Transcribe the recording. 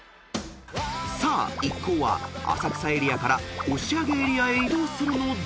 ［さあ一行は浅草エリアから押上エリアへ移動するのだが］